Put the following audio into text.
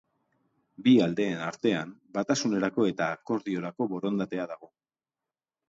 Bi aldeen artean batasunerako eta akordiorako borondatea dago.